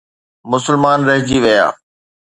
مسلمان رهجي ويا.